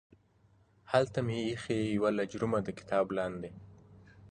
هلته مې ایښې یوه لجرمه د کتاب لاندې